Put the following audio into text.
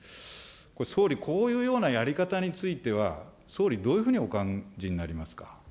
これ、総理、こういうようなやり方については、総理、どういうふうにお感じになりますか。